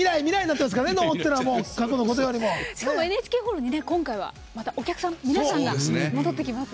しかもＮＨＫホールに今回はお客さん皆さん戻ってきます。